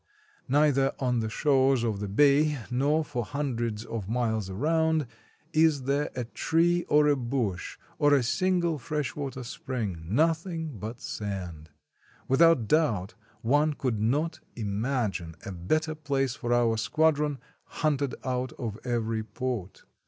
Neither on the shores of the bay, nor for hundreds of miles around, is there a tree, or a bush, or a single fresh water spring — nothing but sand. Without doubt, one could not imagine a better place for our squadron, hunted out of every port.